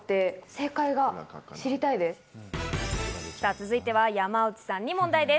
続いては山内さんに問題です。